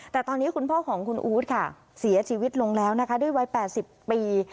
แต่ตอนนี้คุณพ่อของคุณอู๊ดค่ะเสียชีวิตลงแล้วนะคะด้วยวัย๘๐ปี